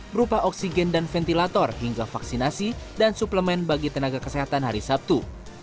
berupa oksigen dan ventilator hingga vaksinasi dan suplemen bagi tenaga kesehatan hari sabtu